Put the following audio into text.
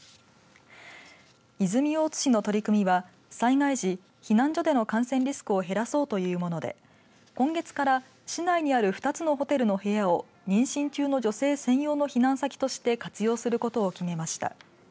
泉大津市の取り組みは災害時、避難所での感染リスクを減らそうというもので今月から市内にある２つのホテルの部屋を妊娠中の女性専用の避難先として活用することを決めました。